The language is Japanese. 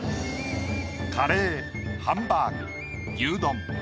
カレーハンバーグ牛丼